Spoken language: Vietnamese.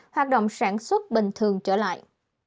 hoạt động sản xuất bình thường trở lại